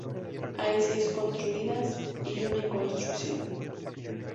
Hay seis construidas y una en construcción.